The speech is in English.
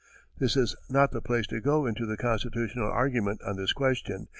This is not the place to go into the constitutional argument on this question.